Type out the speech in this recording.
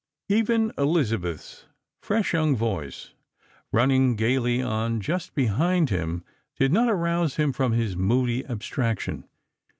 Even Elizabeth's fresh young voice running gaily on just be hind him did not ai»ouse him from his moody abstraction.